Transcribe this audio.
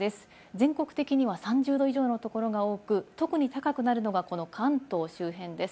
全国的には３０度以上のところが多く、特に高くなるのがこの関東周辺です。